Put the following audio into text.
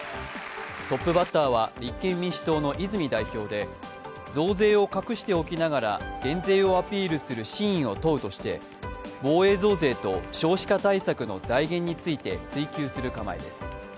トップバッターは立憲民主党の泉代表で増税を隠しておきながら減税をアピールする真意を問うとして防衛増税と少子化対策の財源について追及する構えです。